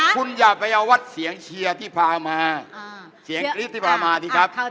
คุณอย่าไปเอาวัดเสียงเชียร์ที่พามาเสียงกรี๊ดที่พามาสิครับ